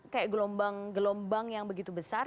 kayak gelombang gelombang yang begitu besar